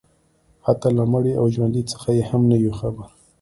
حتی له مړي او ژوندي څخه یې هم نه یو خبر